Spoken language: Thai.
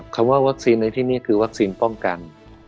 ว่าวัคซีนในที่นี่คือวัคซีนป้องกัน